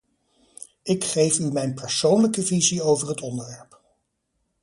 Ik geef u mijn persoonlijke visie over het onderwerp.